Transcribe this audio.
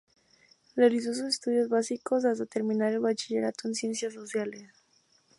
Realizó sus estudios básicos hasta terminar el bachillerato en Ciencias Sociales.